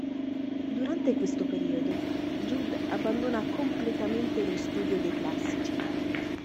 Durante questo periodo Jude abbandona completamente lo studio dei classici.